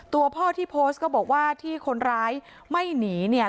ตัวพ่อที่โพสต์ก็บอกว่าที่คนร้ายไม่หนีเนี่ย